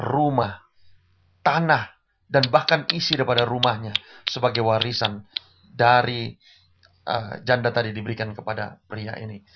rumah tanah dan bahkan isi daripada rumahnya sebagai warisan dari janda tadi diberikan kepada pria ini